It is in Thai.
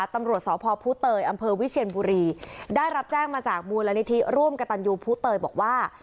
ตำรวจสพภูเตยอำเภอวิเชียนบุรีได้รับแจ้งมาจากมูลนิธิร่วมกระตันยูภูเตยบอกว่า